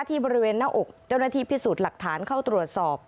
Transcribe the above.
บริเวณหน้าอกเจ้าหน้าที่พิสูจน์หลักฐานเข้าตรวจสอบ